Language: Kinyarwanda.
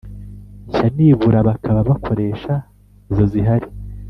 nshya nibura bakaba bakoresha izo zihari